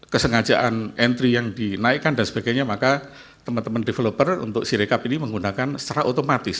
kesengajaan entry yang dinaikkan dan sebagainya maka teman teman developer untuk sirekap ini menggunakan secara otomatis